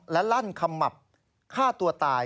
และลั่นขมับฆ่าตัวตาย